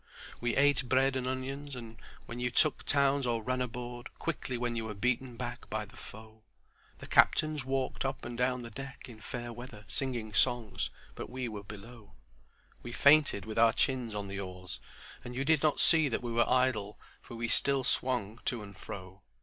"We ate bread and onions when you took towns or ran aboard quickly when you were beaten back by the foe, "The captains walked up and down the deck in fair weather singing songs, but we were below, "We fainted with our chins on the oars and you did not see that we were idle for we still swung to and fro.